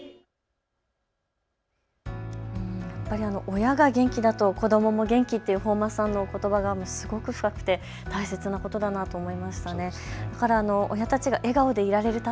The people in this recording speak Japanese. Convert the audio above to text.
親が元気だと子どもも元気って本間さんのことばがすごく深くて、大切なことだなと思いました。